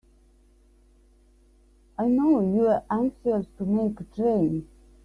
I know you're anxious to make a train.